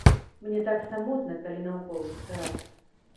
Мне так самотна, калі наўкол маскарад.